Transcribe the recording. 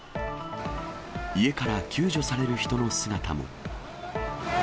家から救助される人の姿も。